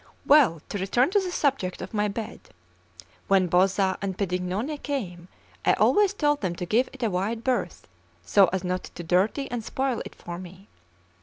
CIX WELL, to return to the subject of my bed; when Bozza and Pedignone came, I always told them to give it a wide berth, so as not to dirty and spoil it for me.